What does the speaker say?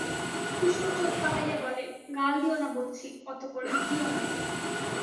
কুসুম চোখ পাকাইয়া বলে, গাল দিও না বলছি অত করে, দিও না।